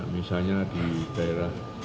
misalnya di daerah